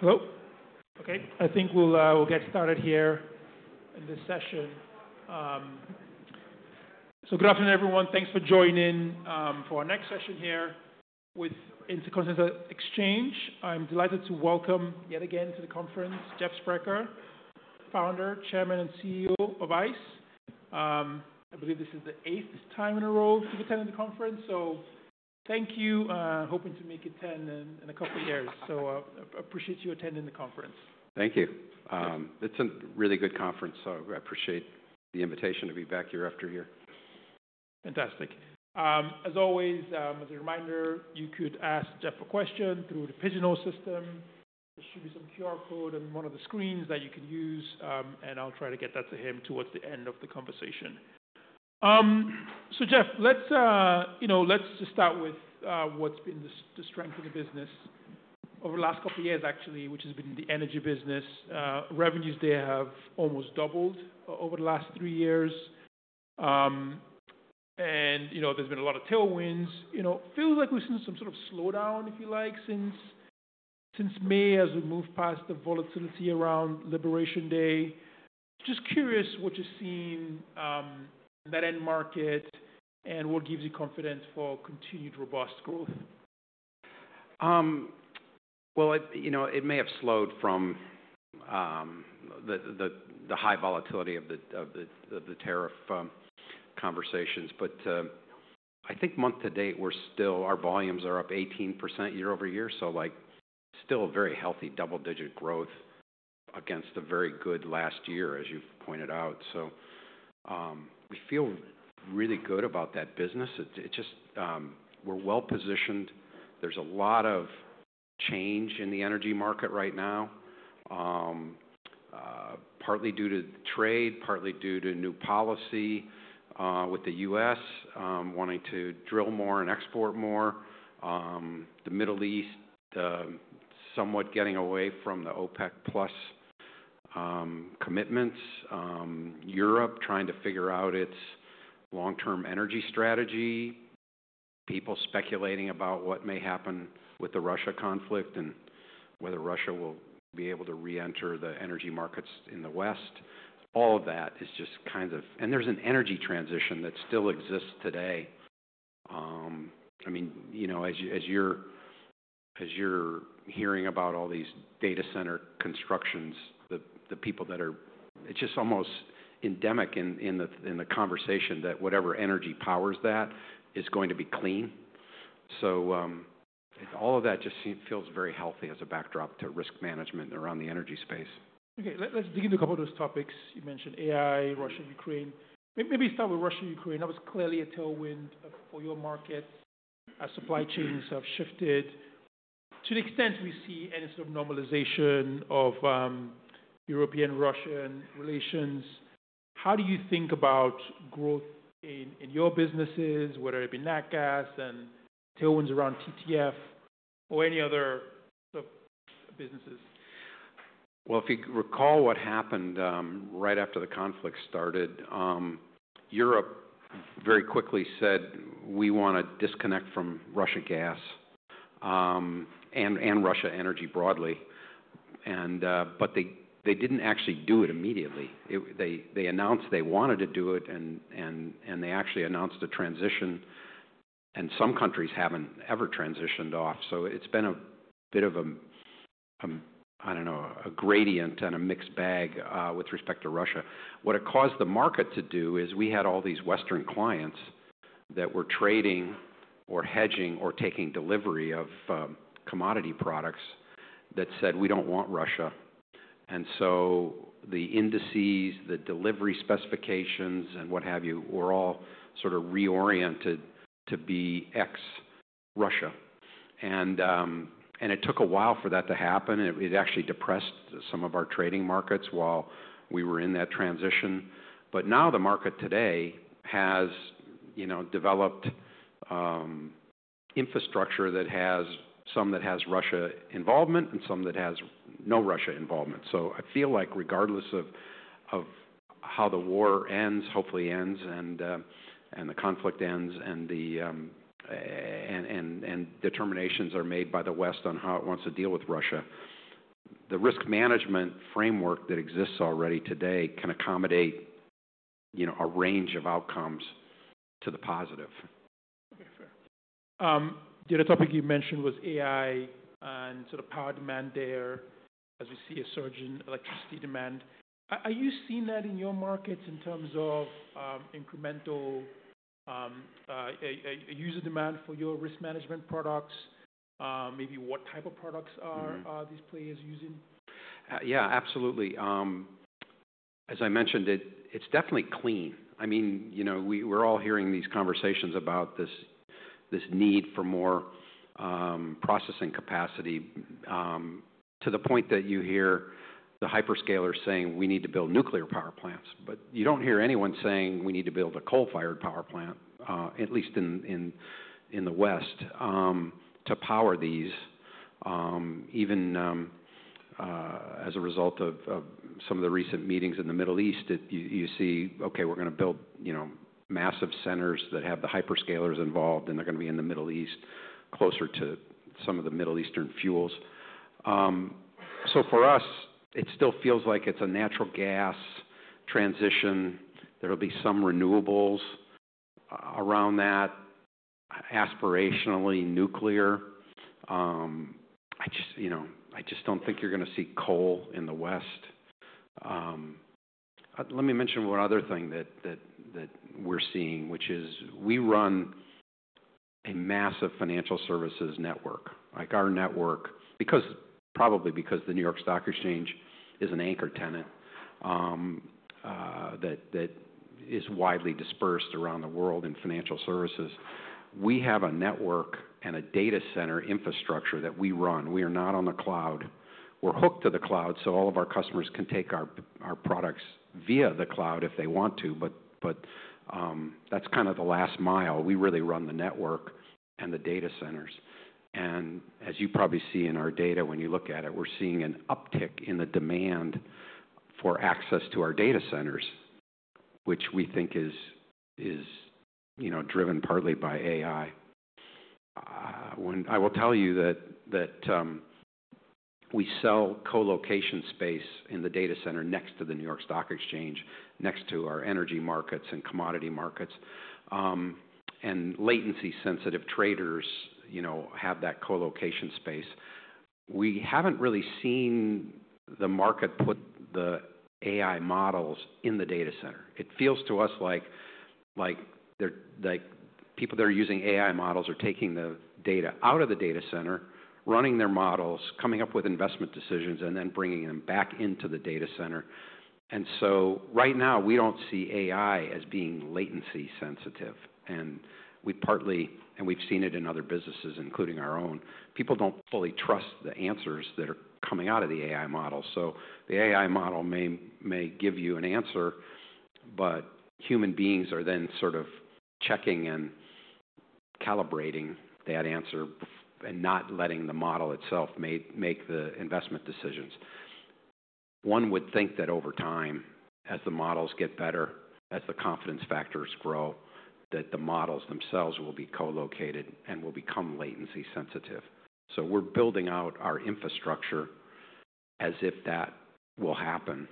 Hello? Okay. I think we'll get started here in this session. Good afternoon, everyone. Thanks for joining for our next session here with Intercontinental Exchange. I'm delighted to welcome yet again to the conference Jeff Sprecher, Founder, Chairman, and CEO of ICE. I believe this is the eighth time in a row he's attending the conference, so thank you. Hoping to make it 10 in a couple of years. Appreciate you attending the conference. Thank you. It's a really good conference, so I appreciate the invitation to be back here after a year. Fantastic. As always, as a reminder, you could ask Jeff a question through the Pigeonhole system. There should be some QR code on one of the screens that you can use, and I'll try to get that to him towards the end of the conversation. So Jeff, let's, you know, let's just start with, what's been the, the strength of the business over the last couple of years, actually, which has been the energy business. Revenues there have almost doubled over the last three years. And, you know, there's been a lot of tailwinds. You know, feels like we've seen some sort of slowdown, if you like, since, since May as we move past the volatility around Liberation Day. Just curious what you're seeing, in that end market and what gives you confidence for continued robust growth. I, you know, it may have slowed from the high volatility of the tariff conversations, but I think month to date we're still, our volumes are up 18% year over year, like still a very healthy double-digit growth against a very good last year, as you've pointed out. We feel really good about that business. It just, we're well positioned. There's a lot of change in the energy market right now, partly due to trade, partly due to new policy, with the U.S. wanting to drill more and export more. The Middle East, somewhat getting away from the OPEC plus commitments. Europe trying to figure out its long-term energy strategy. People speculating about what may happen with the Russia conflict and whether Russia will be able to re-enter the energy markets in the West. All of that is just kind of, and there's an energy transition that still exists today. I mean, you know, as you're hearing about all these data center constructions, the people that are, it's just almost endemic in the conversation that whatever energy powers that is going to be clean. All of that just seems, feels very healthy as a backdrop to risk management around the energy space. Okay. Let, let's dig into a couple of those topics. You mentioned AI, Russia, Ukraine. May, maybe start with Russia, Ukraine. That was clearly a tailwind for your markets. Supply chains have shifted. To the extent we see any sort of normalization of European-Russian relations, how do you think about growth in your businesses, whether it be nat gas and tailwinds around TTF or any other sort of businesses? If you recall what happened, right after the conflict started, Europe very quickly said, "We wanna disconnect from Russian gas, and, and Russia energy broadly." They didn't actually do it immediately. They announced they wanted to do it and they actually announced a transition, and some countries haven't ever transitioned off. It's been a bit of a, I don't know, a gradient and a mixed bag, with respect to Russia. What it caused the market to do is we had all these Western clients that were trading or hedging or taking delivery of commodity products that said, "We don't want Russia." The indices, the delivery specifications, and what have you were all sort of reoriented to be ex-Russia. It took a while for that to happen. It actually depressed some of our trading markets while we were in that transition. Now the market today has, you know, developed infrastructure that has some that has Russia involvement and some that has no Russia involvement. I feel like regardless of how the war ends, hopefully ends, and the conflict ends, and determinations are made by the West on how it wants to deal with Russia, the risk management framework that exists already today can accommodate, you know, a range of outcomes to the positive. Okay. Fair. The other topic you mentioned was AI and sort of power demand there as we see a surge in electricity demand. Are you seeing that in your markets in terms of incremental user demand for your risk management products? Maybe what type of products are these players using? Yeah, absolutely. As I mentioned, it, it's definitely clean. I mean, you know, we're all hearing these conversations about this, this need for more processing capacity, to the point that you hear the hyperscalers saying, "We need to build nuclear power plants," but you do not hear anyone saying, "We need to build a coal-fired power plant," at least in the West, to power these. Even, as a result of some of the recent meetings in the Middle East, you see, "Okay, we're gonna build, you know, massive centers that have the hyperscalers involved, and they're gonna be in the Middle East closer to some of the Middle Eastern fuels." So for us, it still feels like it's a natural gas transition. There will be some renewables around that, aspirationally nuclear. I just, you know, I just do not think you're gonna see coal in the West. Let me mention one other thing that we're seeing, which is we run a massive financial services network. Like our network, probably because the New York Stock Exchange is an anchor tenant, is widely dispersed around the world in financial services. We have a network and a data center infrastructure that we run. We are not on the cloud. We're hooked to the cloud so all of our customers can take our products via the cloud if they want to, but that's kind of the last mile. We really run the network and the data centers. As you probably see in our data, when you look at it, we're seeing an uptick in the demand for access to our data centers, which we think is, you know, driven partly by AI. When I will tell you that we sell colocation space in the data center next to the New York Stock Exchange, next to our energy markets and commodity markets. Latency-sensitive traders, you know, have that colocation space. We have not really seen the market put the AI models in the data center. It feels to us like people that are using AI models are taking the data out of the data center, running their models, coming up with investment decisions, and then bringing them back into the data center. Right now, we do not see AI as being latency-sensitive. We have partly seen it in other businesses, including our own. People do not fully trust the answers that are coming out of the AI model. The AI model may, may give you an answer, but human beings are then sort of checking and calibrating that answer and not letting the model itself make, make the investment decisions. One would think that over time, as the models get better, as the confidence factors grow, that the models themselves will be colocated and will become latency-sensitive. We are building out our infrastructure as if that will happen,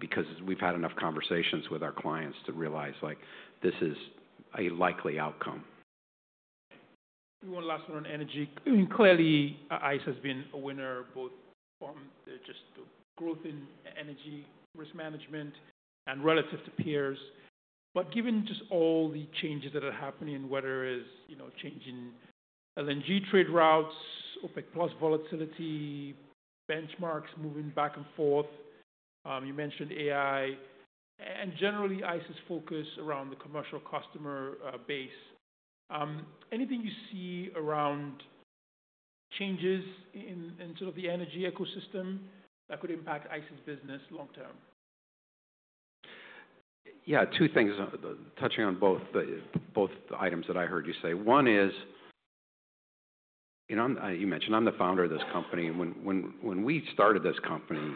because we have had enough conversations with our clients to realize, like, this is a likely outcome. One last one on energy. Clearly, ICE has been a winner both from just the growth in energy risk management and relative to peers. Given just all the changes that are happening, whether it's, you know, changing LNG trade routes, OPEC plus volatility, benchmarks moving back and forth, you mentioned AI, and generally ICE's focus around the commercial customer base. Anything you see around changes in sort of the energy ecosystem that could impact ICE's business long-term? Yeah, two things, touching on both the, both the items that I heard you say. One is, you know, I'm, you mentioned I'm the founder of this company. When we started this company,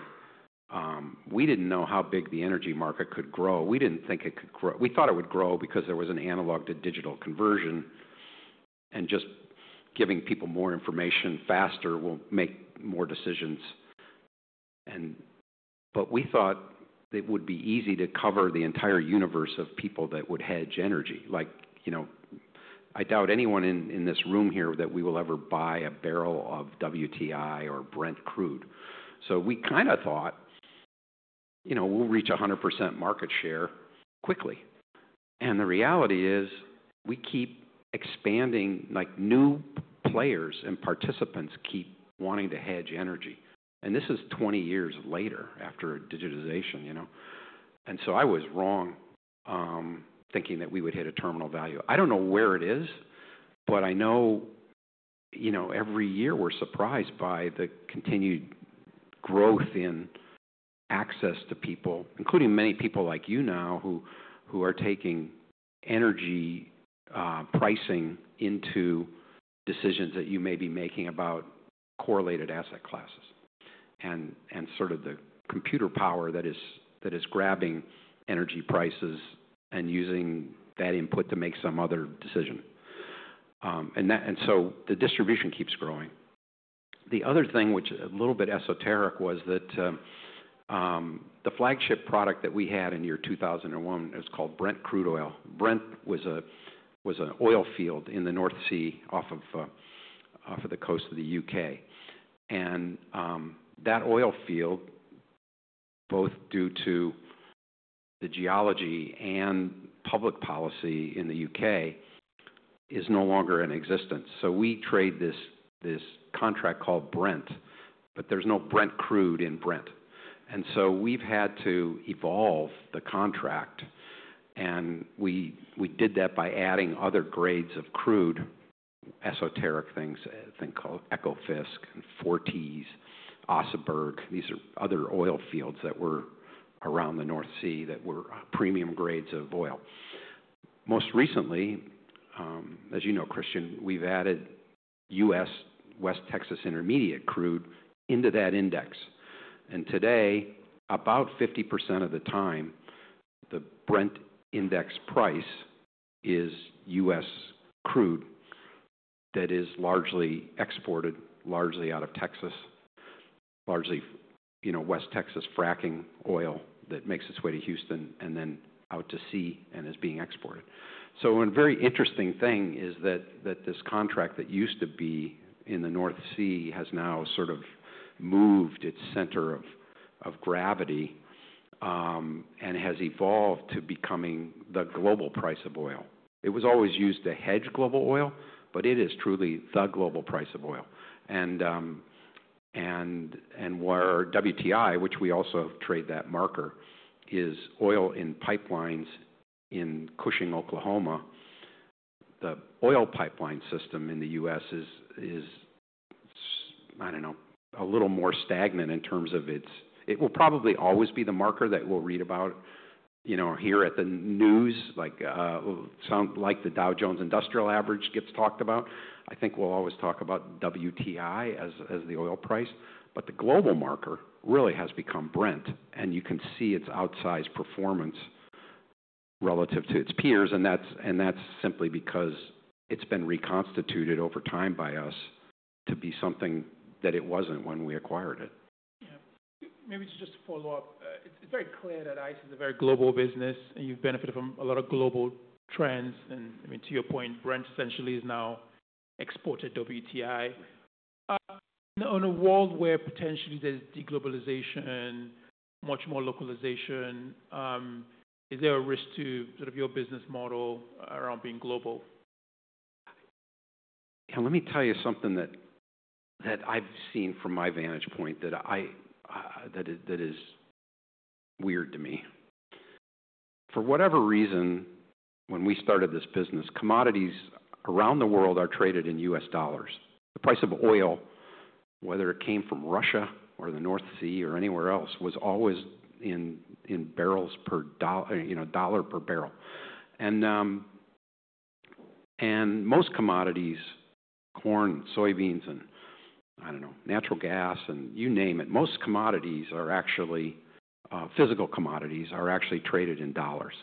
we didn't know how big the energy market could grow. We didn't think it could grow. We thought it would grow because there was an analog to digital conversion, and just giving people more information faster will make more decisions. We thought it would be easy to cover the entire universe of people that would hedge energy. Like, you know, I doubt anyone in this room here that we will ever buy a barrel of WTI or Brent Crude. We kinda thought, you know, we'll reach 100% market share quickly. The reality is we keep expanding, like new players and participants keep wanting to hedge energy. This is 20 years later after digitization, you know. I was wrong, thinking that we would hit a terminal value. I don't know where it is, but I know, you know, every year we're surprised by the continued growth in access to people, including many people like you now who are taking energy pricing into decisions that you may be making about correlated asset classes and sort of the computer power that is grabbing energy prices and using that input to make some other decision. That, and so the distribution keeps growing. The other thing, which is a little bit esoteric, was that the flagship product that we had in year 2001, it was called Brent Crude Oil. Brent was an oil field in the North Sea off of the coast of the U.K. That oil field, both due to the geology and public policy in the U.K., is no longer in existence. We trade this contract called Brent, but there is no Brent crude in Brent. We have had to evolve the contract, and we did that by adding other grades of crude, esoteric things, a thing called Ekofisk and Forties, Ossenberg. These are other oil fields that were around the North Sea that were premium grades of oil. Most recently, as you know, Christian, we have added U.S. West Texas Intermediate crude into that index. Today, about 50% of the time, the Brent index price is U.S. crude that is largely exported, largely out of Texas, largely, you know, West Texas fracking oil that makes its way to Houston and then out to sea and is being exported. A very interesting thing is that this contract that used to be in the North Sea has now sort of moved its center of gravity, and has evolved to becoming the global price of oil. It was always used to hedge global oil, but it is truly the global price of oil. Where WTI, which we also trade that marker, is oil in pipelines in Cushing, Oklahoma, the oil pipeline system in the U.S. is, I don't know, a little more stagnant in terms of its. It will probably always be the marker that we'll read about, you know, here at the news. Like, sounds like the Dow Jones Industrial Average gets talked about. I think we'll always talk about WTI as the oil price. The global marker really has become Brent, and you can see its outsized performance relative to its peers. That's simply because it's been reconstituted over time by us to be something that it wasn't when we acquired it. Yeah. Maybe just to follow up, it's very clear that ICE is a very global business, and you've benefited from a lot of global trends. I mean, to your point, Brent essentially is now exported WTI. In a world where potentially there's deglobalization, much more localization, is there a risk to sort of your business model around being global? Yeah, let me tell you something that I've seen from my vantage point that is weird to me. For whatever reason, when we started this business, commodities around the world are traded in US dollars. The price of oil, whether it came from Russia or the North Sea or anywhere else, was always in barrels per dollar, you know, dollar per barrel. Most commodities, corn, soybeans, and I don't know, natural gas, you name it, most commodities, physical commodities, are actually traded in dollars.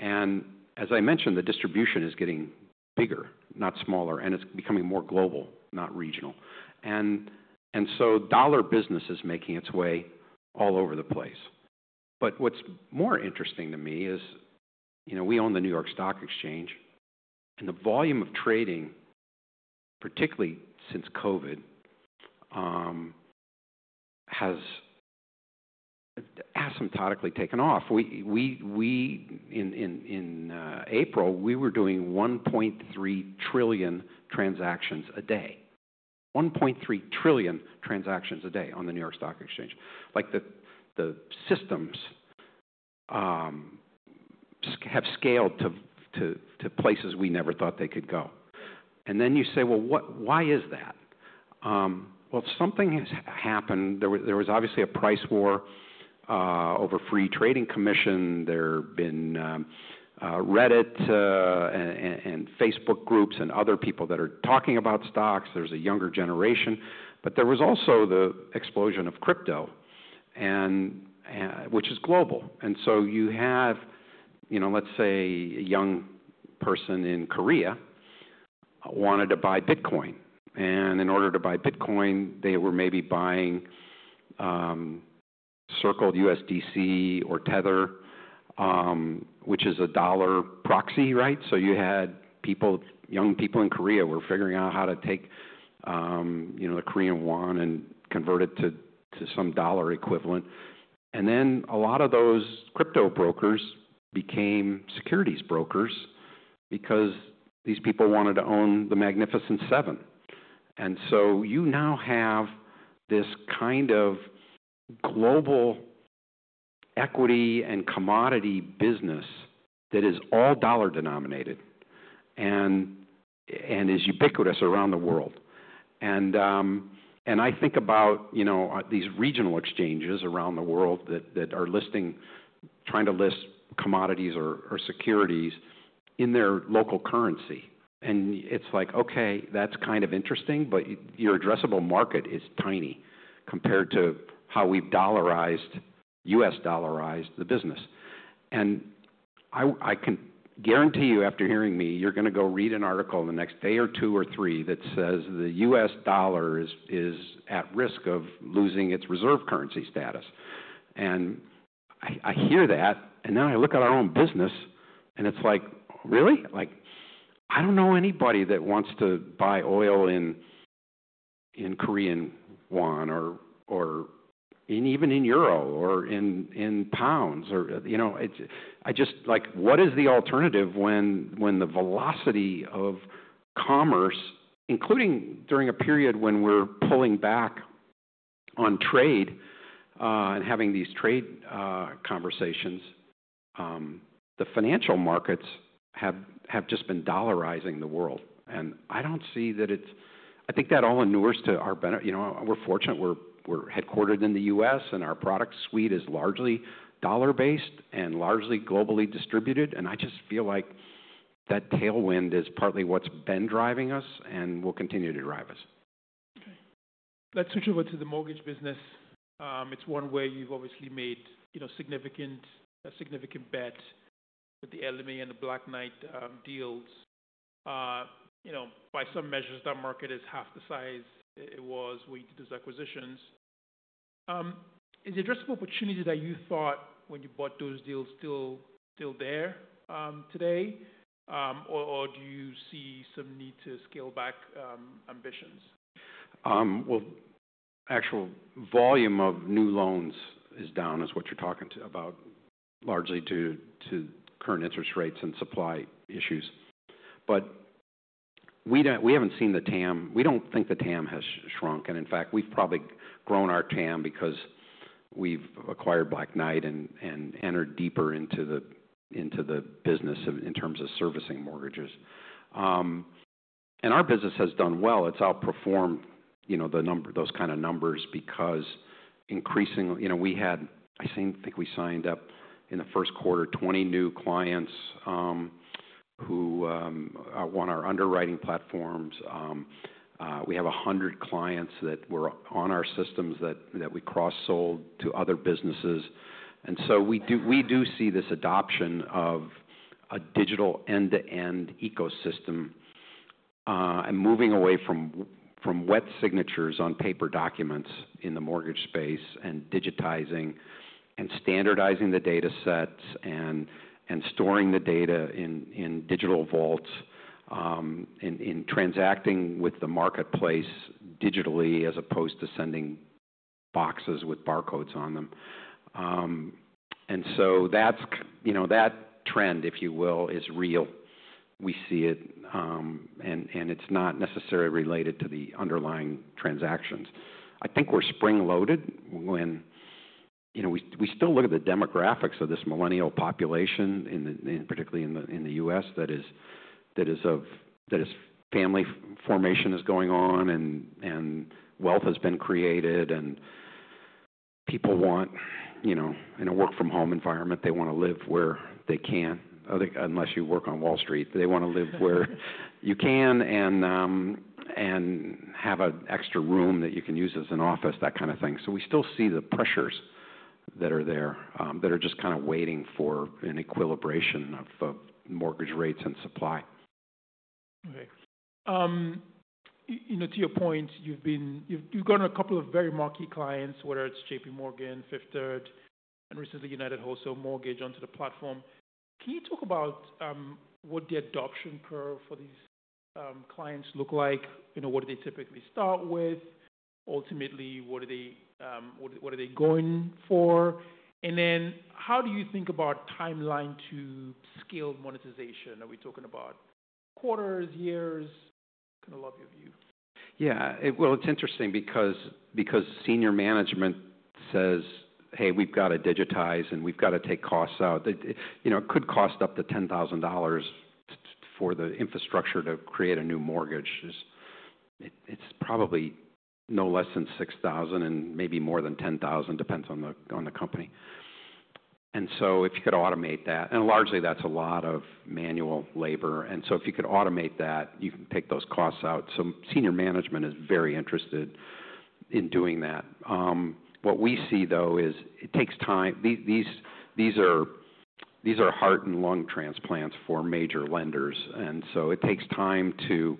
As I mentioned, the distribution is getting bigger, not smaller, and it's becoming more global, not regional. Dollar business is making its way all over the place. What's more interesting to me is, you know, we own the New York Stock Exchange, and the volume of trading, particularly since COVID, has asymptotically taken off. In April, we were doing 1.3 trillion transactions a day. 1.3 trillion transactions a day on the New York Stock Exchange. The systems have scaled to places we never thought they could go. You say, what, why is that? Something has happened. There was obviously a price war over free trading commission. There have been Reddit and Facebook groups and other people that are talking about stocks. There's a younger generation, but there was also the explosion of crypto, which is global. You have, you know, let's say a young person in Korea wanted to buy Bitcoin. In order to buy Bitcoin, they were maybe buying, circled USDC or Tether, which is a dollar proxy, right? You had people, young people in Korea were figuring out how to take, you know, the Korean won and convert it to, to some dollar equivalent. A lot of those crypto brokers became securities brokers because these people wanted to own the Magnificent Seven. You now have this kind of global equity and commodity business that is all dollar denominated and is ubiquitous around the world. I think about, you know, these regional exchanges around the world that are listing, trying to list commodities or securities in their local currency. It is like, okay, that is kind of interesting, but your addressable market is tiny compared to how we have dollarized, U.S. dollarized the business. I can guarantee you after hearing me, you're gonna go read an article the next day or two or three that says the U.S. dollar is at risk of losing its reserve currency status. I hear that, and then I look at our own business and it's like, really? I don't know anybody that wants to buy oil in Korean won or even in euro or in pounds or, you know, it's, I just, like, what is the alternative when the velocity of commerce, including during a period when we're pulling back on trade and having these trade conversations, the financial markets have just been dollarizing the world. I don't see that. I think that all endures to our benefit. You know, we're fortunate. We're headquartered in the U.S. and our product suite is largely dollar-based and largely globally distributed. I just feel like that tailwind is partly what's been driving us and will continue to drive us. Okay. Let's switch over to the mortgage business. It's one where you've obviously made, you know, a significant bet with the LME and the Black Knight deals. You know, by some measures, that market is half the size it was when you did those acquisitions. Is the addressable opportunity that you thought when you bought those deals still, still there today? Or do you see some need to scale back ambitions? Actual volume of new loans is down, is what you're talking to about, largely due to current interest rates and supply issues. We don't, we haven't seen the TAM. We don't think the TAM has shrunk. In fact, we've probably grown our TAM because we've acquired Black Knight and entered deeper into the business in terms of servicing mortgages. Our business has done well. It's outperformed, you know, the number, those kind of numbers because increasing, you know, we had, I think we signed up in the first quarter, 20 new clients who want our underwriting platforms. We have 100 clients that were on our systems that we cross-sold to other businesses. We do see this adoption of a digital end-to-end ecosystem, and moving away from wet signatures on paper documents in the mortgage space and digitizing and standardizing the data sets and storing the data in digital vaults, in transacting with the marketplace digitally as opposed to sending boxes with barcodes on them. That trend, if you will, is real. We see it, and it's not necessarily related to the underlying transactions. I think we're spring-loaded when, you know, we still look at the demographics of this millennial population in the U.S. that is, that is family formation is going on and wealth has been created and people want, you know, in a work-from-home environment, they wanna live where you can't, unless you work on Wall Street. They wanna live where you can and have an extra room that you can use as an office, that kind of thing. We still see the pressures that are there, that are just kind of waiting for an equilibration of mortgage rates and supply. Okay. You know, to your point, you've gotten a couple of very marquee clients, whether it's JPMorgan, Fifth Third, and recently United Wholesale Mortgage onto the platform. Can you talk about what the adoption curve for these clients look like? You know, what do they typically start with? Ultimately, what are they going for? How do you think about timeline to scale monetization? Are we talking about quarters, years? Kind of love your view. Yeah. It's interesting because senior management says, hey, we've gotta digitize and we've gotta take costs out. You know, it could cost up to $10,000 for the infrastructure to create a new mortgage. It's probably no less than $6,000 and maybe more than $10,000, depends on the company. If you could automate that, and largely that's a lot of manual labor. If you could automate that, you can take those costs out. Senior management is very interested in doing that. What we see though is it takes time. These are heart and lung transplants for major lenders. It takes time to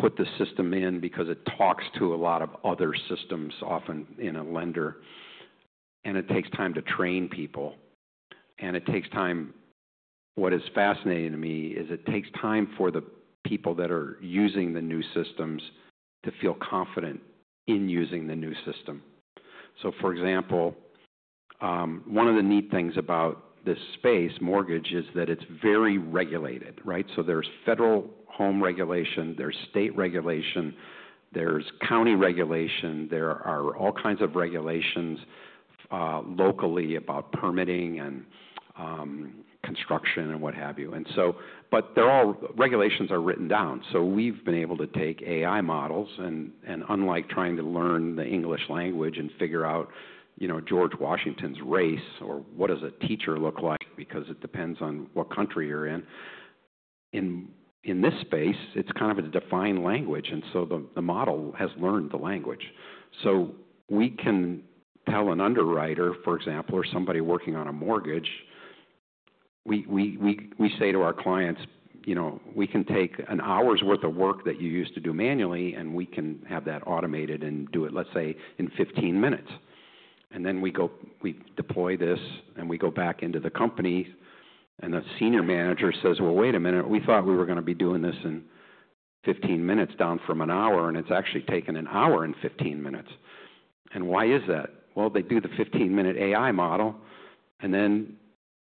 put the system in because it talks to a lot of other systems, often in a lender. It takes time to train people. It takes time. What is fascinating to me is it takes time for the people that are using the new systems to feel confident in using the new system. For example, one of the neat things about this space, mortgage, is that it's very regulated, right? There is federal home regulation, there is state regulation, there is county regulation. There are all kinds of regulations, locally about permitting and construction and what have you. They are all regulations that are written down. We have been able to take AI models and, unlike trying to learn the English language and figure out, you know, George Washington's race or what does a teacher look like because it depends on what country you're in. In this space, it's kind of a defined language. The model has learned the language. We can tell an underwriter, for example, or somebody working on a mortgage, we say to our clients, you know, we can take an hour's worth of work that you used to do manually and we can have that automated and do it, let's say in 15 minutes. We deploy this and we go back into the company and the senior manager says, wait a minute, we thought we were gonna be doing this in 15 minutes down from an hour and it's actually taken an hour and 15 minutes. Why is that? They do the 15-minute AI model and then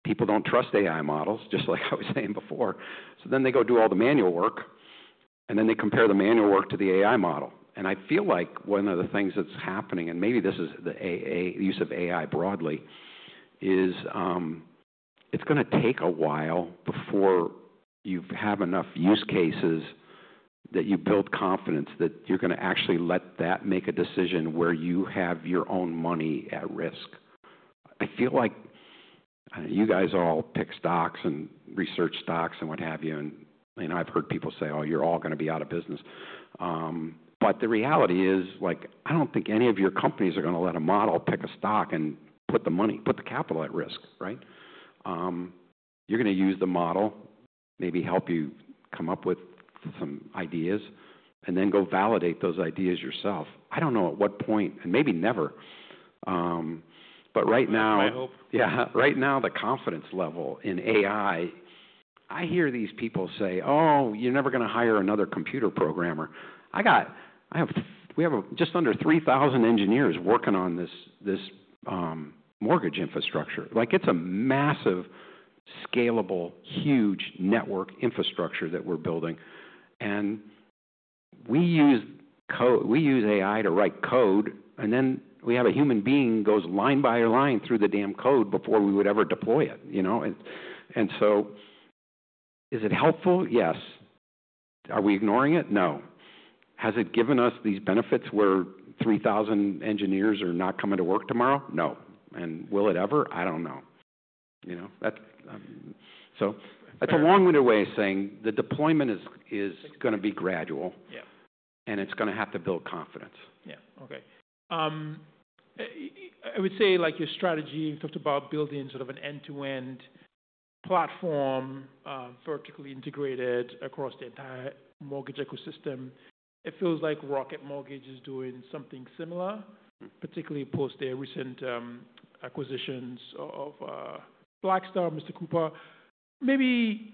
people do not trust AI models, just like I was saying before. Then they go do all the manual work and then they compare the manual work to the AI model. I feel like one of the things that's happening, and maybe this is the AA use of AI broadly, is, it's gonna take a while before you have enough use cases that you build confidence that you're gonna actually let that make a decision where you have your own money at risk. I feel like you guys all pick stocks and research stocks and what have you. I've heard people say, oh, you're all gonna be out of business. The reality is like, I don't think any of your companies are gonna let a model pick a stock and put the money, put the capital at risk, right? You're gonna use the model, maybe help you come up with some ideas and then go validate those ideas yourself. I don't know at what point and maybe never. Right now. I hope. Yeah. Right now, the confidence level in AI, I hear these people say, oh, you're never gonna hire another computer programmer. I got, I have, we have just under 3,000 engineers working on this, this mortgage infrastructure. Like it's a massive, scalable, huge network infrastructure that we're building. And we use code, we use AI to write code and then we have a human being goes line by line through the damn code before we would ever deploy it, you know? And, and so is it helpful? Yes. Are we ignoring it? No. Has it given us these benefits where 3,000 engineers are not coming to work tomorrow? No. And will it ever? I don't know. You know, that's, so that's a long-winded way of saying the deployment is, is gonna be gradual. Yeah. It's gonna have to build confidence. Yeah. Okay. I would say like your strategy, you talked about building sort of an end-to-end platform, vertically integrated across the entire mortgage ecosystem. It feels like Rocket Mortgage is doing something similar, particularly post their recent acquisitions of Black Knight, Mr. Cooper. Maybe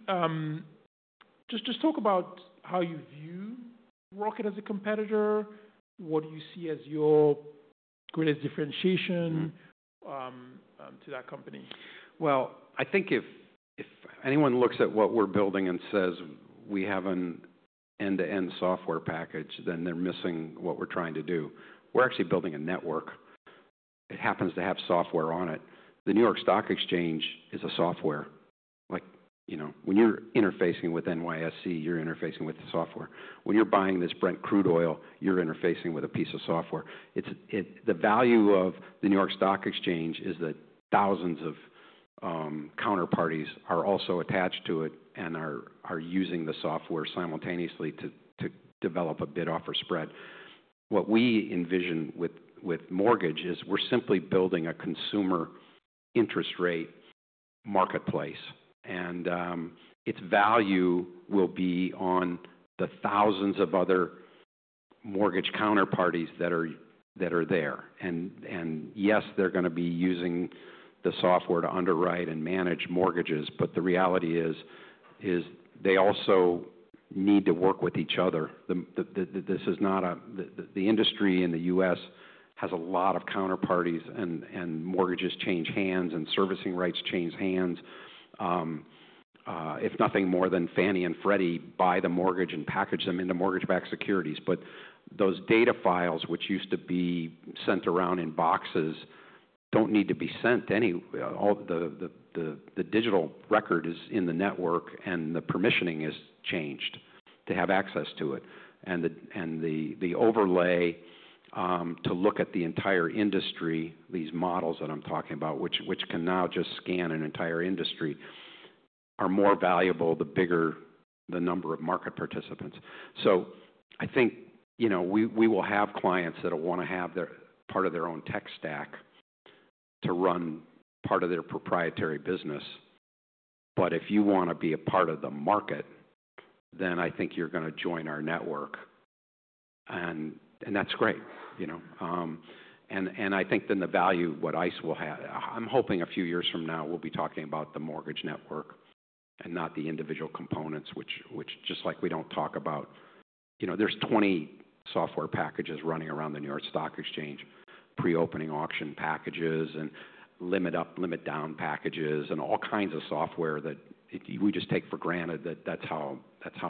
just talk about how you view Rocket as a competitor. What do you see as your greatest differentiation to that company? I think if anyone looks at what we're building and says we have an end-to-end software package, then they're missing what we're trying to do. We're actually building a network. It happens to have software on it. The New York Stock Exchange is a software. Like, you know, when you're interfacing with NYSE, you're interfacing with the software. When you're buying this Brent crude oil, you're interfacing with a piece of software. The value of the New York Stock Exchange is that thousands of counterparties are also attached to it and are using the software simultaneously to develop a bid-offer spread. What we envision with mortgage is we're simply building a consumer interest rate marketplace. Its value will be on the thousands of other mortgage counterparties that are there. Yes, they're gonna be using the software to underwrite and manage mortgages. The reality is, is they also need to work with each other. This is not a, the industry in the U.S. has a lot of counterparties and mortgages change hands and servicing rights change hands. If nothing more than Fannie and Freddie buy the mortgage and package them into mortgage-backed securities. Those data files, which used to be sent around in boxes, do not need to be sent any. All the digital record is in the network and the permissioning is changed to have access to it. The overlay, to look at the entire industry, these models that I'm talking about, which can now just scan an entire industry, are more valuable the bigger the number of market participants. I think, you know, we will have clients that'll wanna have their part of their own tech stack to run part of their proprietary business. If you wanna be a part of the market, then I think you're gonna join our network. And that's great, you know? I think then the value, what ICE will have, I'm hoping a few years from now we'll be talking about the mortgage network and not the individual components, which, just like we don't talk about, you know, there's 20 software packages running around the New York Stock Exchange, pre-opening auction packages and limit up, limit down packages and all kinds of software that we just take for granted that that's how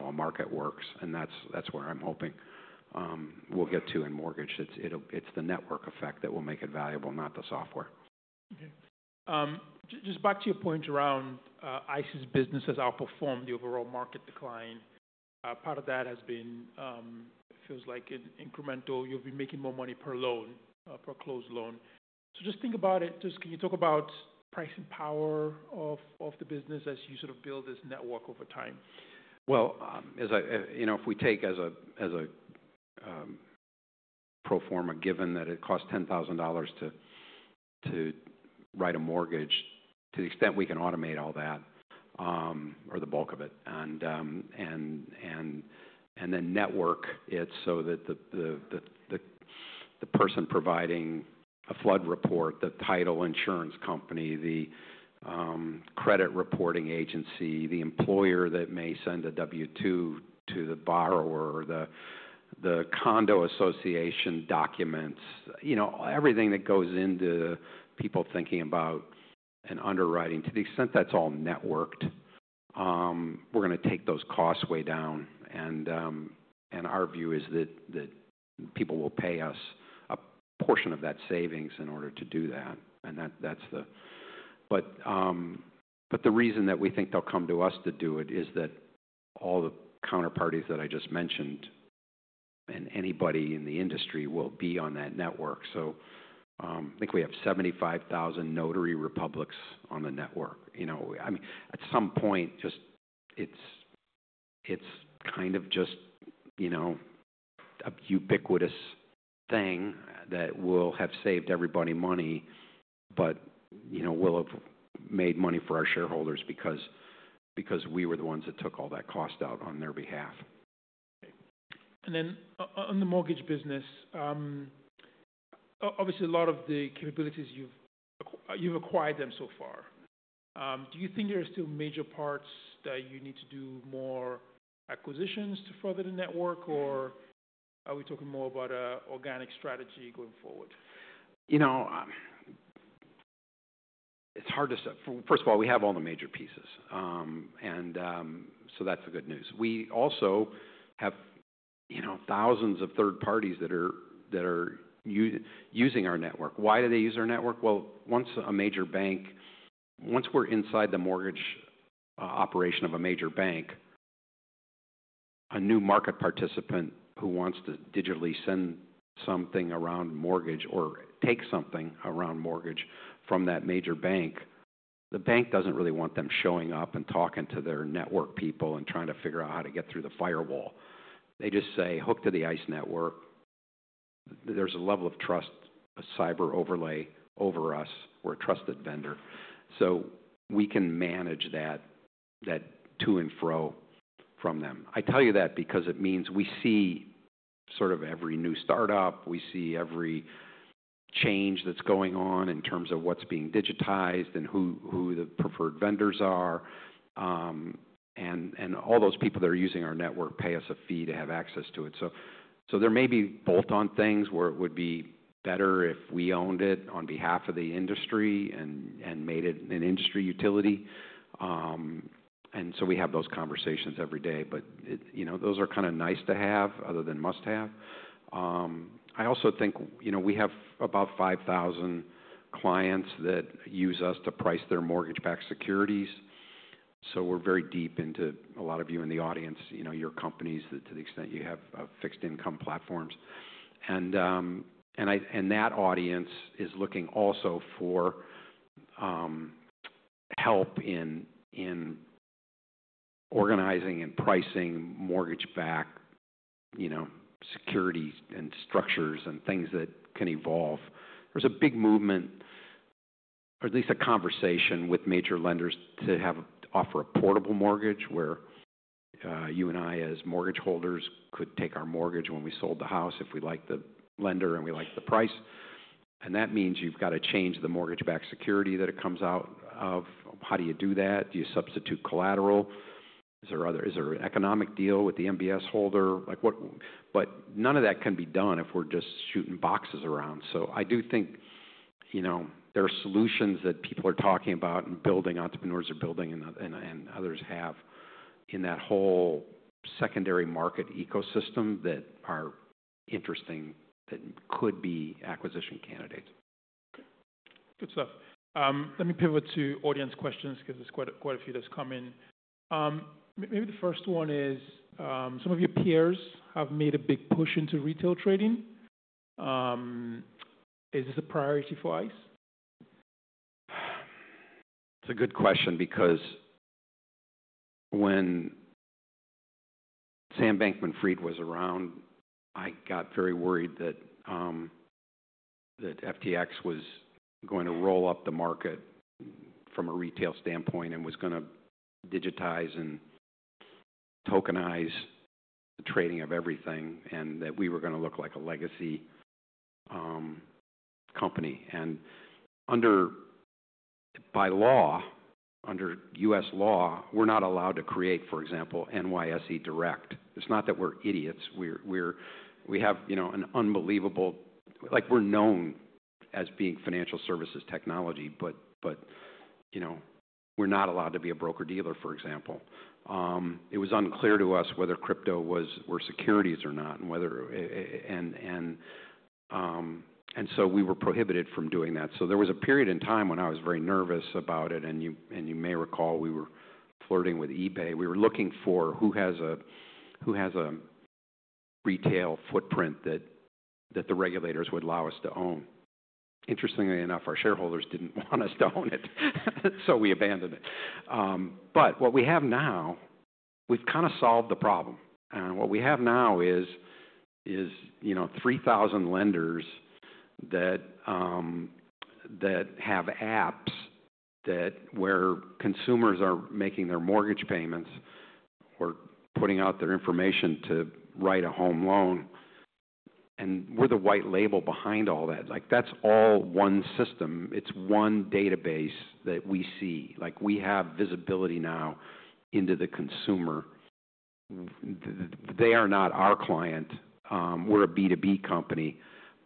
a market works. That's where I'm hoping we'll get to in mortgage. It's, it'll, it's the network effect that will make it valuable, not the software. Okay. Just back to your point around, ICE's business has outperformed the overall market decline. Part of that has been, it feels like, incremental. You'll be making more money per loan, per closed loan. Just think about it. Can you talk about pricing power of the business as you sort of build this network over time? If we take as a pro forma, given that it costs $10,000 to write a mortgage, to the extent we can automate all that, or the bulk of it, and then network it so that the person providing a flood report, the title insurance company, the credit reporting agency, the employer that may send a W-2 to the borrower, the condo association documents, you know, everything that goes into people thinking about an underwriting, to the extent that's all networked, we're gonna take those costs way down. Our view is that people will pay us a portion of that savings in order to do that. That, that's the, but the reason that we think they'll come to us to do it is that all the counterparties that I just mentioned and anybody in the industry will be on that network. I think we have 75,000 notary publics on the network. You know, I mean, at some point, just, it's kind of just, you know, a ubiquitous thing that will have saved everybody money, but, you know, will have made money for our shareholders because we were the ones that took all that cost out on their behalf. Okay. And then on the mortgage business, obviously a lot of the capabilities you've acquired them so far. Do you think there are still major parts that you need to do more acquisitions to further the network or are we talking more about a organic strategy going forward? You know, it's hard to say. First of all, we have all the major pieces, and that's the good news. We also have, you know, thousands of third parties that are using our network. Why do they use our network? Once a major bank, once we're inside the mortgage operation of a major bank, a new market participant who wants to digitally send something around mortgage or take something around mortgage from that major bank, the bank doesn't really want them showing up and talking to their network people and trying to figure out how to get through the firewall. They just say, hook to the ICE network. There's a level of trust, a cyber overlay over us. We're a trusted vendor. We can manage that to and fro from them. I tell you that because it means we see sort of every new startup, we see every change that's going on in terms of what's being digitized and who the preferred vendors are, and all those people that are using our network pay us a fee to have access to it. There may be bolt-on things where it would be better if we owned it on behalf of the industry and made it an industry utility. We have those conversations every day, but it, you know, those are kind of nice to have other than must have. I also think, you know, we have about 5,000 clients that use us to price their mortgage-backed securities. So we're very deep into a lot of you in the audience, you know, your companies that to the extent you have fixed income platforms. I, and that audience is looking also for help in organizing and pricing mortgage-backed, you know, securities and structures and things that can evolve. There's a big movement, or at least a conversation with major lenders to have offer a portable mortgage where you and I as mortgage holders could take our mortgage when we sold the house if we liked the lender and we liked the price. That means you've gotta change the mortgage-backed security that it comes out of. How do you do that? Do you substitute collateral? Is there an economic deal with the MBS holder? Like what, but none of that can be done if we're just shooting boxes around. I do think, you know, there are solutions that people are talking about and building, entrepreneurs are building, and others have in that whole secondary market ecosystem that are interesting that could be acquisition candidates. Good stuff. Let me pivot to audience questions 'cause there's quite a, quite a few that's come in. Maybe the first one is, some of your peers have made a big push into retail trading. Is this a priority for ICE? It's a good question because when Sam Bankman-Fried was around, I got very worried that FTX was going to roll up the market from a retail standpoint and was gonna digitize and tokenize the trading of everything and that we were gonna look like a legacy company. And under, by law, under U.S. law, we're not allowed to create, for example, NYSE direct. It's not that we're idiots. We have, you know, an unbelievable, like we're known as being financial services technology, but, you know, we're not allowed to be a broker-dealer, for example. It was unclear to us whether crypto was, were securities or not and whether, and, and, and so we were prohibited from doing that. There was a period in time when I was very nervous about it. You may recall we were flirting with eBay. We were looking for who has a retail footprint that the regulators would allow us to own. Interestingly enough, our shareholders did not want us to own it. We abandoned it. What we have now, we have kind of solved the problem. What we have now is, you know, 3,000 lenders that have apps where consumers are making their mortgage payments or putting out their information to write a home loan. We are the white label behind all that. That is all one system. It is one database that we see. We have visibility now into the consumer. They are not our client. We are a B2B company,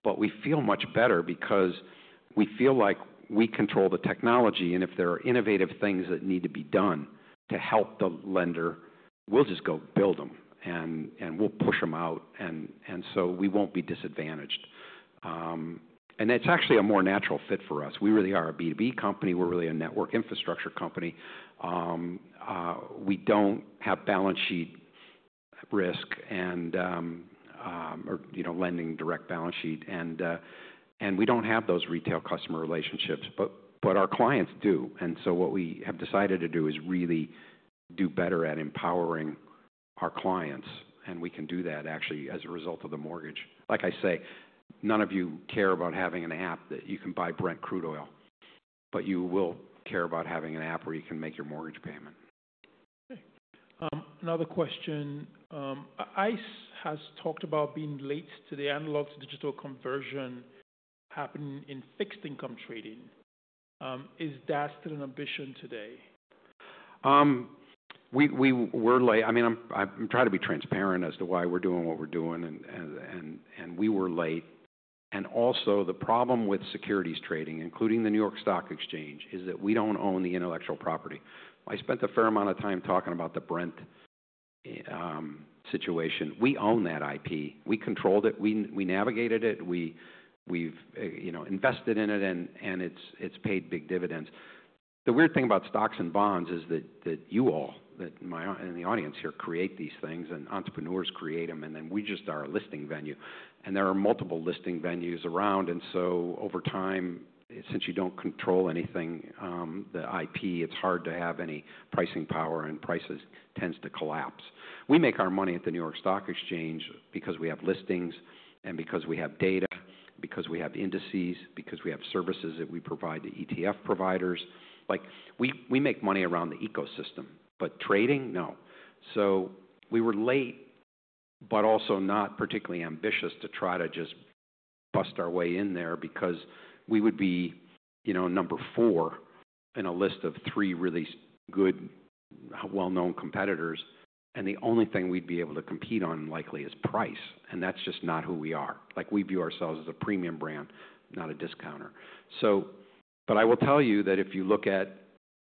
but we feel much better because we feel like we control the technology. If there are innovative things that need to be done to help the lender, we'll just go build them and we'll push them out. We won't be disadvantaged. That is actually a more natural fit for us. We really are a B2B company. We're really a network infrastructure company. We do not have balance sheet risk or, you know, lending direct balance sheet. We do not have those retail customer relationships, but our clients do. What we have decided to do is really do better at empowering our clients. We can do that actually as a result of the mortgage. Like I say, none of you care about having an app that you can buy Brent Crude Oil, but you will care about having an app where you can make your mortgage payment. Okay. Another question. ICE has talked about being late to the analog to digital conversion happening in fixed income trading. Is that still an ambition today? We were late. I mean, I'm trying to be transparent as to why we're doing what we're doing, and we were late. Also, the problem with securities trading, including the New York Stock Exchange, is that we do not own the intellectual property. I spent a fair amount of time talking about the Brent situation. We own that IP. We controlled it. We navigated it. We have invested in it, and it has paid big dividends. The weird thing about stocks and bonds is that you all, that my in the audience here create these things and entrepreneurs create them, and then we just are a listing venue. There are multiple listing venues around. Over time, since you do not control anything, the IP, it is hard to have any pricing power and prices tend to collapse. We make our money at the New York Stock Exchange because we have listings and because we have data, because we have indices, because we have services that we provide to ETF providers. Like, we make money around the ecosystem, but trading, no. We were late, but also not particularly ambitious to try to just bust our way in there because we would be, you know, number four in a list of three really good, well-known competitors. The only thing we'd be able to compete on likely is price. That's just not who we are. We view ourselves as a premium brand, not a discounter. I will tell you that if you look at,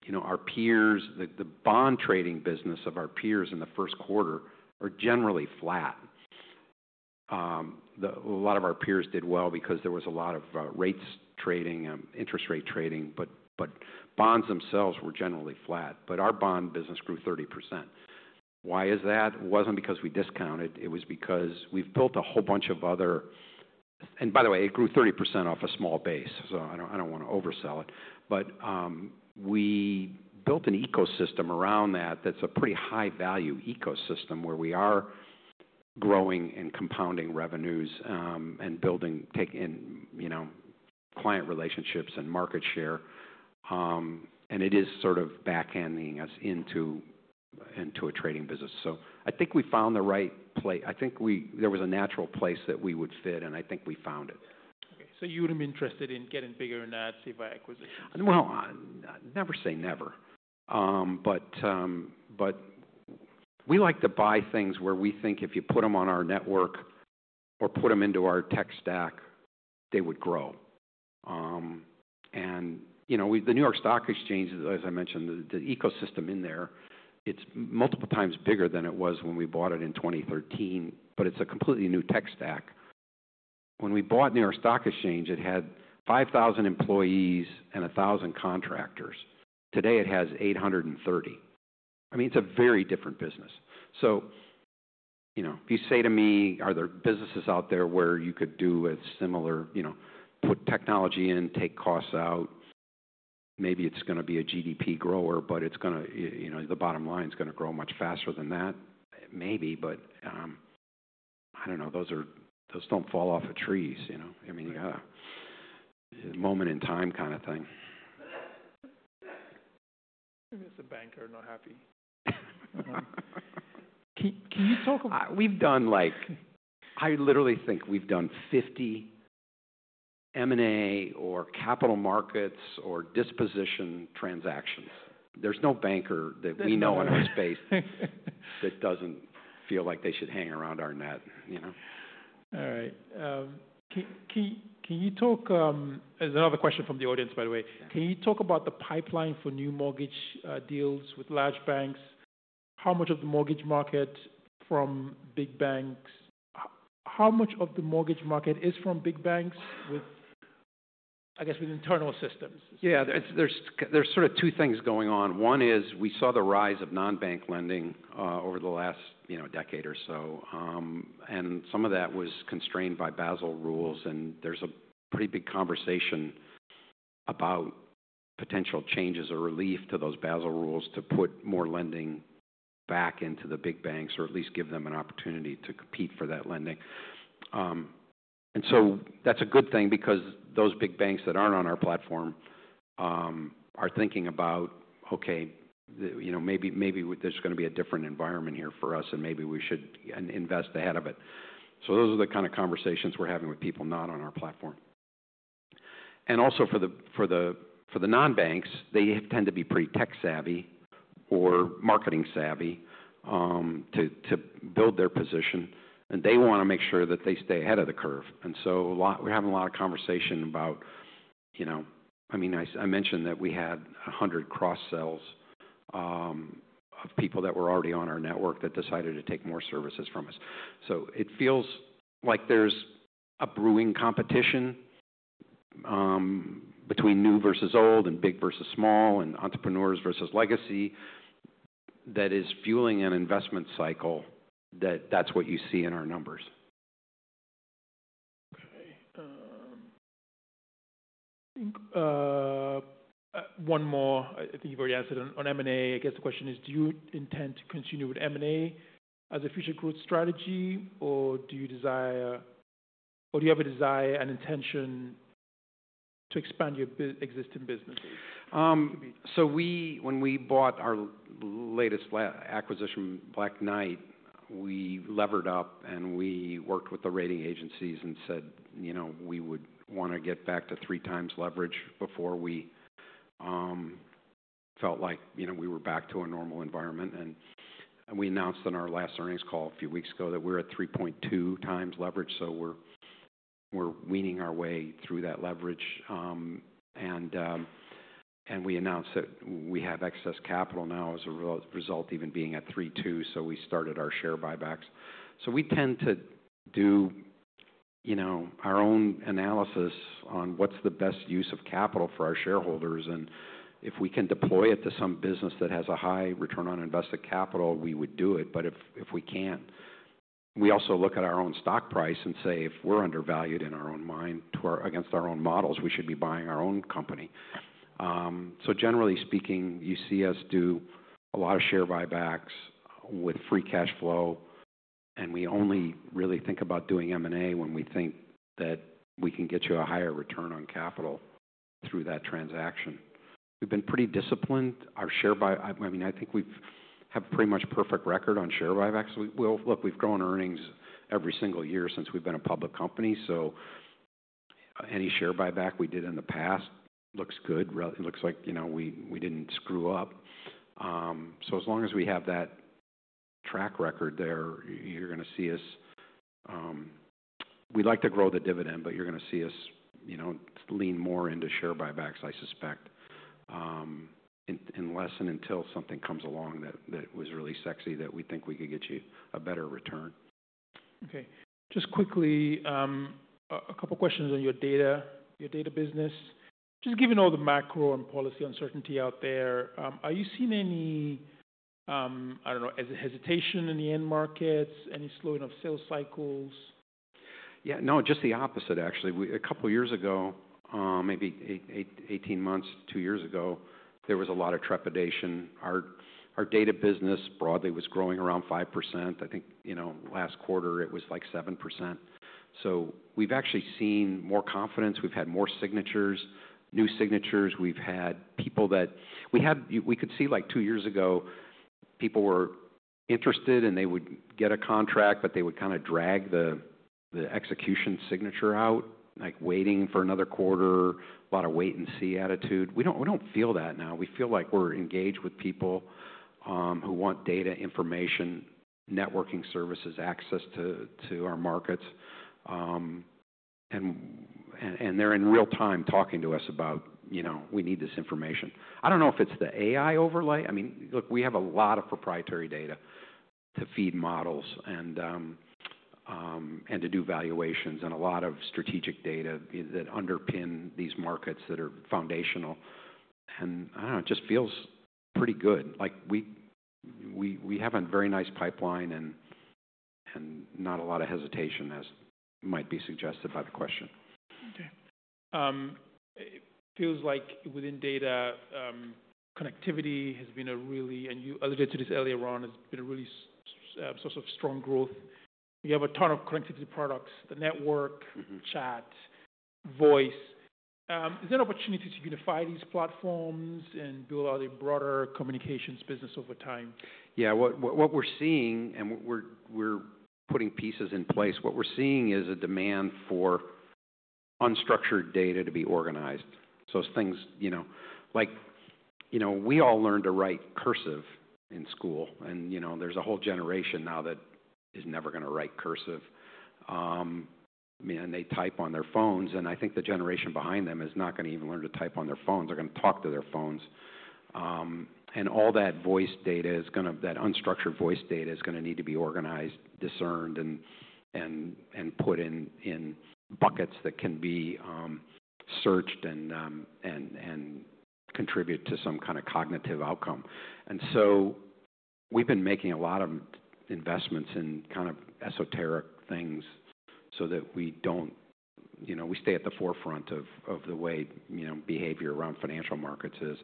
you know, our peers, the bond trading business of our peers in the first quarter are generally flat. A lot of our peers did well because there was a lot of rates trading, interest rate trading, but bonds themselves were generally flat, but our bond business grew 30%. Why is that? It was not because we discounted. It was because we have built a whole bunch of other, and by the way, it grew 30% off a small base. I do not want to oversell it, but we built an ecosystem around that. That is a pretty high value ecosystem where we are growing and compounding revenues, and building, taking in, you know, client relationships and market share. It is sort of backhanding us into a trading business. I think we found the right place. I think there was a natural place that we would fit and I think we found it. Okay. So you would've been interested in getting bigger in that, say by acquisition? Never say never, but we like to buy things where we think if you put 'em on our network or put 'em into our tech stack, they would grow. And, you know, we, the New York Stock Exchange, as I mentioned, the ecosystem in there, it's multiple times bigger than it was when we bought it in 2013, but it's a completely new tech stack. When we bought New York Stock Exchange, it had 5,000 employees and 1,000 contractors. Today it has 830. I mean, it's a very different business. So, you know, if you say to me, are there businesses out there where you could do a similar, you know, put technology in, take costs out, maybe it's gonna be a GDP grower, but it's gonna, you know, the bottom line's gonna grow much faster than that. Maybe, but I don't know. Those don't fall off of trees, you know? I mean, you got a moment in time kind of thing. I miss a banker and not happy. Can you talk about? We've done like, I literally think we've done 50 M&A or capital markets or disposition transactions. There's no banker that we know in our space that doesn't feel like they should hang around our net, you know? All right. Can you talk, there's another question from the audience, by the way. Can you talk about the pipeline for new mortgage deals with large banks? How much of the mortgage market from big banks? How much of the mortgage market is from big banks with, I guess, with internal systems? Yeah. There's sort of two things going on. One is we saw the rise of non-bank lending over the last, you know, decade or so, and some of that was constrained by Basel rules. There's a pretty big conversation about potential changes or relief to those Basel rules to put more lending back into the big banks or at least give them an opportunity to compete for that lending. That's a good thing because those big banks that aren't on our platform are thinking about, okay, you know, maybe there's gonna be a different environment here for us and maybe we should invest ahead of it. Those are the kind of conversations we're having with people not on our platform. Also, for the non-banks, they tend to be pretty tech-savvy or marketing-savvy to build their position. They wanna make sure that they stay ahead of the curve. A lot, we're having a lot of conversation about, you know, I mean, I mentioned that we had 100 cross-sells, of people that were already on our network that decided to take more services from us. It feels like there's a brewing competition, between new versus old and big versus small and entrepreneurs versus legacy that is fueling an investment cycle that that's what you see in our numbers. Okay. I think, one more, I think you've already answered on M&A. I guess the question is, do you intend to continue with M&A as a future growth strategy or do you have a desire and intention to expand your existing businesses? So we, when we bought our latest acquisition, Black Knight, we levered up and we worked with the rating agencies and said, you know, we would wanna get back to three times leverage before we, felt like, you know, we were back to a normal environment. We announced on our last earnings call a few weeks ago that we're at 3.2 times leverage. We are weaning our way through that leverage, and we announced that we have excess capital now as a result, even being at 3.2. We started our share buybacks. We tend to do, you know, our own analysis on what's the best use of capital for our shareholders. If we can deploy it to some business that has a high return on invested capital, we would do it. If we can't, we also look at our own stock price and say if we're undervalued in our own mind to our, against our own models, we should be buying our own company. Generally speaking, you see us do a lot of share buybacks with free cash flow. We only really think about doing M&A when we think that we can get you a higher return on capital through that transaction. We've been pretty disciplined. Our share buy, I mean, I think we have pretty much perfect record on share buybacks. We've grown earnings every single year since we've been a public company. Any share buyback we did in the past looks good. It looks like, you know, we didn't screw up. As long as we have that track record there, you're gonna see us, we'd like to grow the dividend, but you're gonna see us, you know, lean more into share buybacks, I suspect, unless and until something comes along that was really sexy that we think we could get you a better return. Okay. Just quickly, a couple of questions on your data, your data business. Just given all the macro and policy uncertainty out there, are you seeing any, I don't know, hesitation in the end markets, any slowing of sales cycles? Yeah. No, just the opposite actually. We, a couple of years ago, maybe eight, 18 months, two years ago, there was a lot of trepidation. Our data business broadly was growing around 5%. I think, you know, last quarter it was like 7%. So we've actually seen more confidence. We've had more signatures, new signatures. We've had people that we had, we could see like two years ago, people were interested and they would get a contract, but they would kind of drag the execution signature out, like waiting for another quarter, a lot of wait and see attitude. We do not feel that now. We feel like we're engaged with people who want data, information, networking services, access to our markets, and they're in real time talking to us about, you know, we need this information. I don't know if it's the AI overlay. I mean, look, we have a lot of proprietary data to feed models and to do valuations and a lot of strategic data that underpin these markets that are foundational. I don't know, it just feels pretty good. Like, we have a very nice pipeline and not a lot of hesitation as might be suggested by the question. Okay. It feels like within data, connectivity has been a really, and you alluded to this earlier on, has been a really, sort of strong growth. You have a ton of connectivity products, the network, chat, voice. Is there an opportunity to unify these platforms and build other broader communications business over time? Yeah. What we're seeing and we're putting pieces in place. What we're seeing is a demand for unstructured data to be organized. So things, you know, like, you know, we all learned to write cursive in school and, you know, there's a whole generation now that is never gonna write cursive. I mean, and they type on their phones. I think the generation behind them is not gonna even learn to type on their phones. They're gonna talk to their phones. All that voice data is gonna, that unstructured voice data is gonna need to be organized, discerned, and put in buckets that can be searched and contribute to some kind of cognitive outcome. We have been making a lot of investments in kind of esoteric things so that we do not, you know, we stay at the forefront of, of the way, you know, behavior around financial markets is.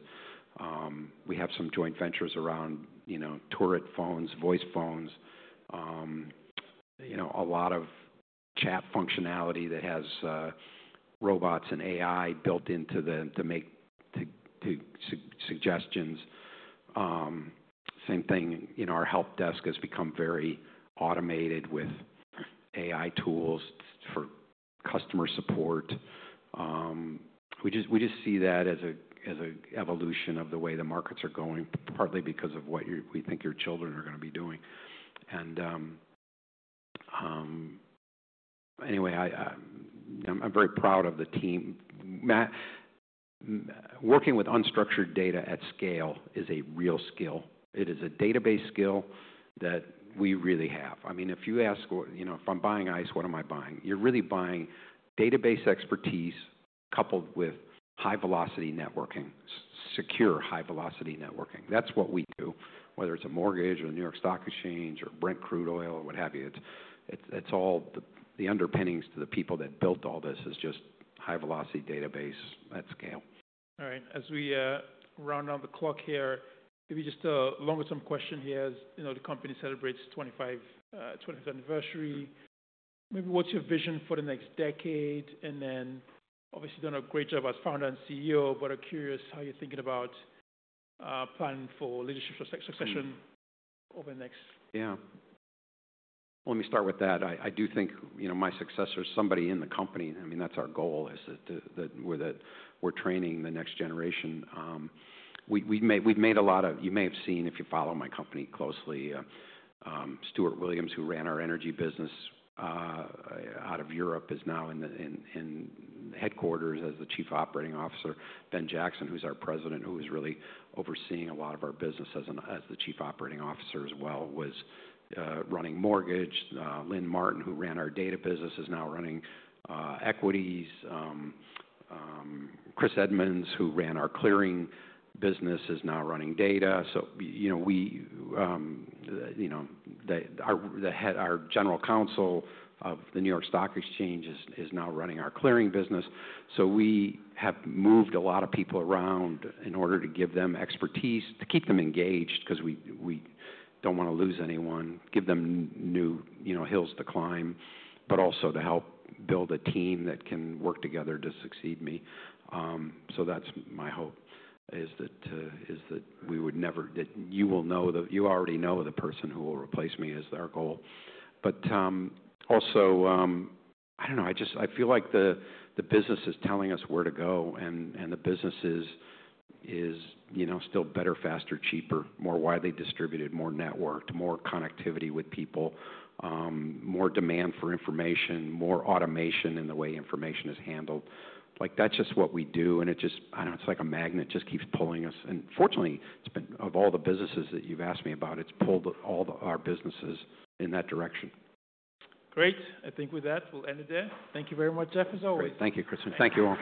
We have some joint ventures around, you know, Turret phones, voice phones, you know, a lot of chat functionality that has robots and AI built into the, to make, to, to suggestions. Same thing, you know, our help desk has become very automated with AI tools for customer support. We just see that as a, as a evolution of the way the markets are going, partly because of what you, we think your children are gonna be doing. Anyway, I, I am very proud of the team. Working with unstructured data at scale is a real skill. It is a database skill that we really have. I mean, if you ask what, you know, if I'm buying ICE, what am I buying? You're really buying database expertise coupled with high velocity networking, secure high velocity networking. That's what we do, whether it's a mortgage or the New York Stock Exchange or Brent Crude Oil or what have you. It's all the underpinnings to the people that built all this is just high velocity database at scale. All right. As we round out the clock here, maybe just a longer term question here. You know, the company celebrates its 25th anniversary. Maybe what's your vision for the next decade? And then obviously done a great job as founder and CEO, but I'm curious how you're thinking about planning for leadership succession over the next. Yeah. Let me start with that. I do think, you know, my successors, somebody in the company, I mean, that's our goal is that we're training the next generation. We've made a lot of, you may have seen if you follow my company closely, Stuart Williams, who ran our energy business out of Europe, is now in headquarters as the Chief Operating Officer. Ben Jackson, who's our President, who was really overseeing a lot of our business as the Chief Operating Officer as well, was running mortgage. Lynn Martin, who ran our data business, is now running equities. Chris Edmonds, who ran our clearing business, is now running data. You know, the head, our General Counsel of the New York Stock Exchange, is now running our clearing business. We have moved a lot of people around in order to give them expertise, to keep them engaged 'cause we don't wanna lose anyone, give them new, you know, hills to climb, but also to help build a team that can work together to succeed me. That's my hope, is that we would never, that you will know that you already know the person who will replace me is our goal. Also, I don't know, I just, I feel like the business is telling us where to go and the business is, you know, still better, faster, cheaper, more widely distributed, more networked, more connectivity with people, more demand for information, more automation in the way information is handled. Like that's just what we do. It just, I don't know, it's like a magnet just keeps pulling us. Fortunately, it's been, of all the businesses that you've asked me about, it's pulled all the, our businesses in that direction. Great. I think with that, we'll end it there. Thank you very much, Jeff, as always. Great. Thank you, Christian. Thank you.